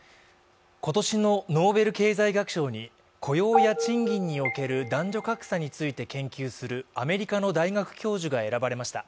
今年のノーベル経済学賞に雇用や賃金における男女格差について研究するアメリカの大学教授が選ばれました。